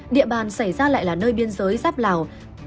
địa bàn xảy ra lại là nơi biên giới giáp lào